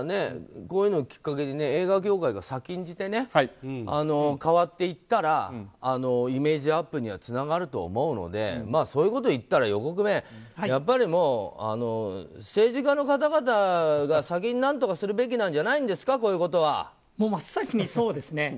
こういうのをきっかけに映画業界が先んじて変わっていったらイメージアップにはつながると思うのでそういうことをいったら横粂、やっぱり政治家の方々が先に何とかするべきなんじゃないですかそうですね。